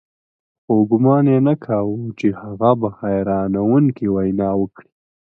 خو ګومان يې نه کاوه چې هغه به حيرانوونکې وينا وکړي.